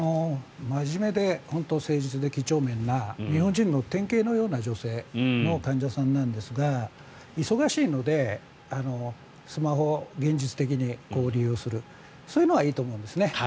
真面目で誠実で几帳面な日本人の典型のような女性の患者さんなんですが忙しいのでスマホを現実的に利用をするそういうのはいいと思うんです。